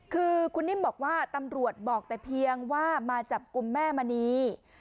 คือคุณนิ่มบอกว่าตำรวจบอกแต่เพียงว่ามาจับกลุ่มแม่มณี